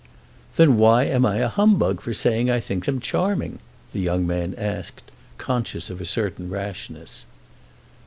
"Then why am I a humbug for saying I think them charming?" the young man asked, conscious of a certain rashness.